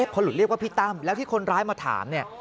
พอหลุดเรียกว่าพี่ตั้มแล้วที่คนร้ายมาถามเนี่ย